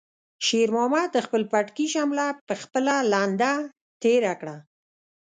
شېرمحمد د خپل پټکي شمله په خپله لنده تېره کړه.